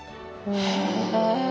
へえ。